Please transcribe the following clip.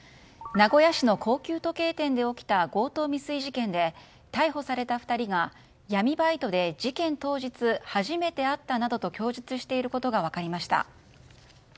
名古屋市の高級時計店で起きた強盗未遂事件で逮捕された２人が、闇バイトで事件当日初めて会ったなどと供述していることが分かりました。